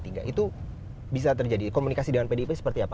itu bisa terjadi komunikasi dengan pdip seperti apa